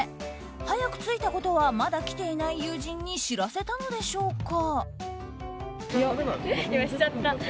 早く着いたことはまだ来ていない友人に知らせたのでしょうか。